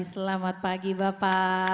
selamat pagi bapak